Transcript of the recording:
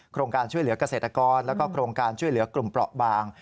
โครงการช่วยเหลือกเกษตรกรแล้วก็โครงการช่วยเหลือกลุ่มเปราะบาง